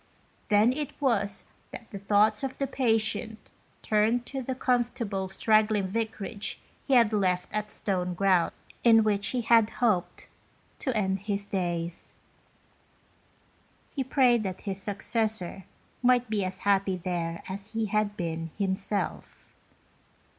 Then it was that the thoughts of the patient turned to the comfortable straggling vicarage he had left at Stoneground, in which he had hoped to end his days. He prayed that his suc cessor might be as happy there as he had been himself.